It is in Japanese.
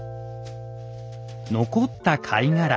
残った貝殻